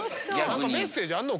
何かメッセージあるの？